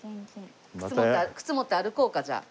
靴持って歩こうかじゃあ。